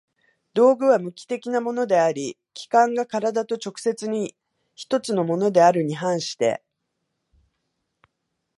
道具は無機的なものであり、器宮が身体と直接に一つのものであるに反して